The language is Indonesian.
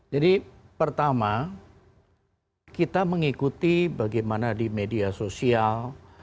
jadi pertama kita mengikuti bagaimana di media sosial